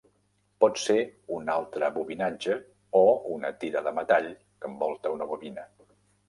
Pot ser un altre bobinatge o una tira de metall que envolta una bobina.